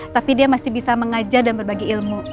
tapi dia masih bisa mengajar dan berbagi ilmu